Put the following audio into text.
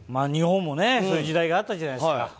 日本もそういう時代があったじゃないですか。